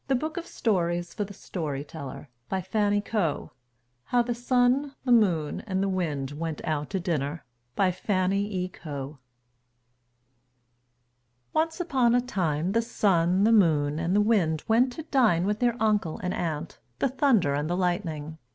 And that is why there are not any Hobyahs now. How the Sun, the Moon, and the Wind went out to Dinner FANNY E. COE Once upon a time the Sun, the Moon, and the Wind went to dine with their uncle and aunt, the Thunder and the Lightning.